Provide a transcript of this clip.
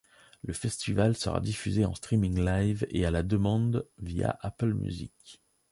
Le festival sera diffusé en streaming live et à la demande via Apple Music.